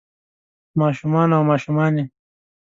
ما شومان او ماشومانے